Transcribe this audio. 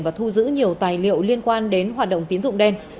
và thu giữ nhiều tài liệu liên quan đến hoạt động tín dụng đen